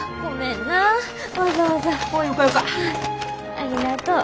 ありがとう。